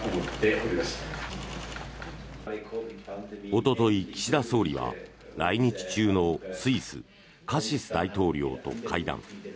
おととい、岸田総理は来日中のスイス、カシス大統領と会談。